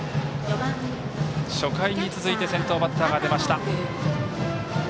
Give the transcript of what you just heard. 初回に続いて先頭バッターが出ました。